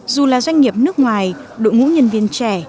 dù là doanh nghiệp nước ngoài đội ngũ nhân viên trẻ